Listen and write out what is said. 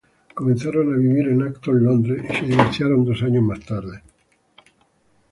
Comenzaron a vivir en Acton, Londres, y se divorciaron dos años más tarde.